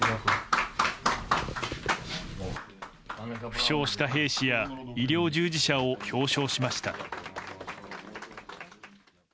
負傷した兵士や医療従事者を表彰しました。